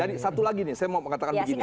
dan satu lagi nih saya mau mengatakan begini ya